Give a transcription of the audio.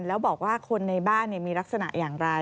แล้วบอกว่าคนในบ้านมีลักษณะอย่างไร